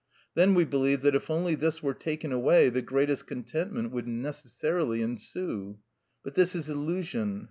Then we believe that if only this were taken away, the greatest contentment would necessarily ensue. But this is illusion.